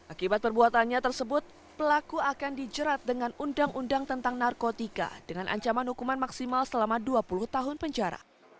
akibat perbuatannya tersebut pelaku akan dijerat dengan undang undang tentang narkotika dengan ancaman hukuman maksimal selama dua puluh tahun penjara